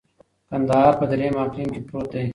کندهار په دریم اقلیم کي پروت دی.